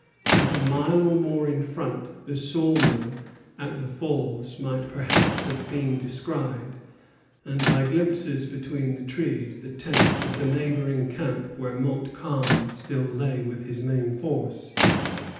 At a mile or more in front, the saw mill at the Falls might perhaps have been descried, and, by glimpses between the trees, the tents of the neighboring camp where Montcalm still lay with his main force.